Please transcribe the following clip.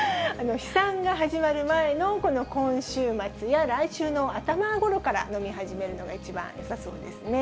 飛散が始まる前のこの今週末や来週の頭ごろから、飲み始めるのが一番よさそうですね。